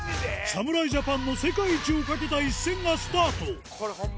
侍ジャパンの世界一を懸けた一戦がスタート